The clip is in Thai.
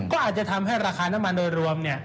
ก็อาจจะทำให้ราคาน้ำมันโดยรวม